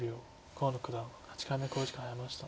河野九段８回目の考慮時間に入りました。